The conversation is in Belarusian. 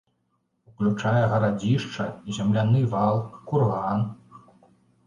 Уключае гарадзішча, земляны вал, курган.